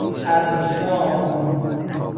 اَرشام